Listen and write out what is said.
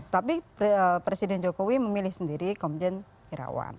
tapi presiden jokowi memilih sendiri komjen irawan